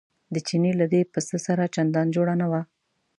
د چیني له دې پسه سره چندان جوړه نه وه.